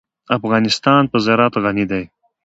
افغانستان په زراعت غني دی.